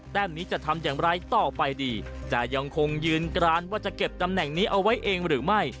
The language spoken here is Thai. นี้จะทำอย่างไรต่อไปดีจะยังคงยืนกรานว่าจะเก็บตำแหน่งนี้เอาไว้เองหรือไม่